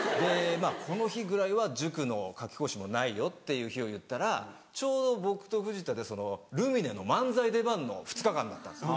この日ぐらいは塾の夏期講習もないよっていう日を言ったらちょうど僕と藤田でルミネの漫才出番の２日間だったんです。